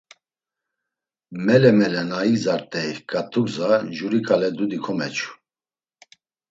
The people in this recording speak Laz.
Mele mele, na igzart̆ey ǩat̆ugza juri ǩale dudi komeçu.